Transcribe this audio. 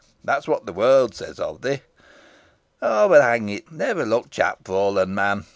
That is what the world says of thee. But, hang it! never look chapfallen, man.